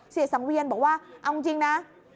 สังเวียนบอกว่าเอาจริงนะ